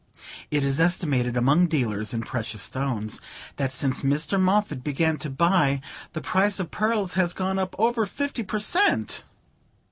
It is estimated among dealers in precious stones that since Mr. Moffatt began to buy the price of pearls has gone up over fifty per cent.'"